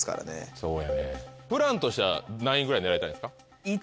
そうやねんプランとしては何位ぐらい狙いたいんですか？